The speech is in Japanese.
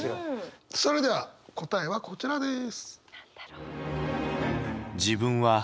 それでは答えはこちらです。